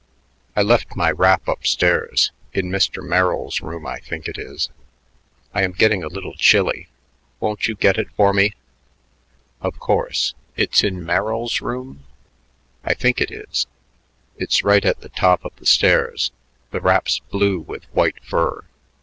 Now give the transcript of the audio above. "I left my wrap up stairs in Mr. Merrill's room, I think it is. I am getting a little chilly. Won't you get it for me?" "Of course. It's in Merrill's room?" "I think it is. It's right at the head of the stairs. The wrap's blue with white fur."